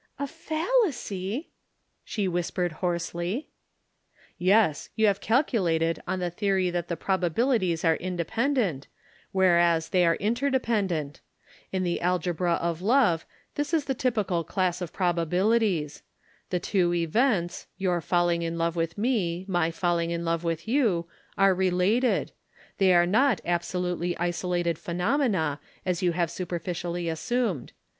"A fallacy!" she whispered hoarsely. "Yes, you have calculated on the theory that the probabilities are independent, whereas they are interdependent. In the algebra of love this is the typical class of probabilities. The two events your falling in love with me, my falling in love with you are related; they are not absolutely isolated phenomena as you have superficially assumed.